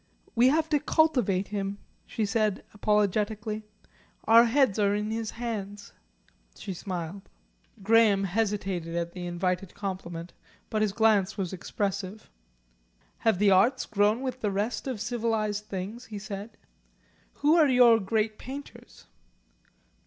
"We have to cultivate him," she said apologetically. "Our heads are in his hands." She smiled. Graham hesitated at the invited compliment, but his glance was expressive. "Have the arts grown with the rest of civilised things?" he said. "Who are your great painters?"